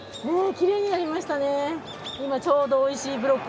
きれいになりましたね。